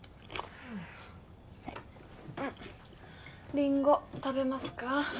リンゴ食べますか？